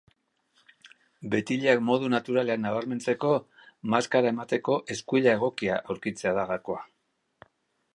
Betileak modu naturalean nabarmentzeko, maskara emateko eskuila egokia aurkitzea da gakoa.